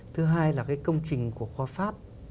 thứ hai là cái công trình của khoa pháp